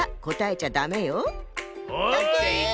オッケー！